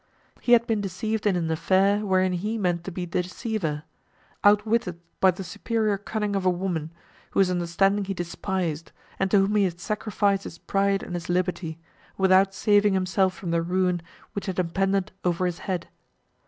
He had been deceived in an affair, wherein he meant to be the deceiver; out witted by the superior cunning of a woman, whose understanding he despised, and to whom he had sacrificed his pride and his liberty, without saving himself from the ruin, which had impended over his head.